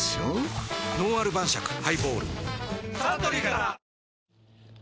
「のんある晩酌ハイボール」サントリーから！